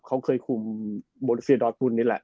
เขาเคยคุมโบริเซียดอสกุลนี่แหละ